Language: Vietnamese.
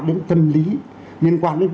đến tâm lý liên quan đến